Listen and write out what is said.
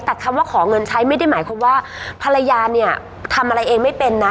แต่คำว่าขอเงินใช้ไม่ได้หมายความว่าภรรยาเนี่ยทำอะไรเองไม่เป็นนะ